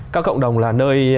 các cộng đồng là nơi